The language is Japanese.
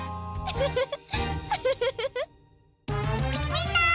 みんな！